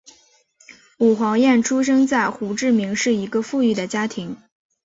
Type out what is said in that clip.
武黄燕出生在胡志明市一个富裕的家庭。